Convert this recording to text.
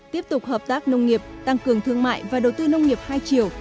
tiếp tục hợp tác nông nghiệp tăng cường thương mại và đầu tư nông nghiệp hai chiều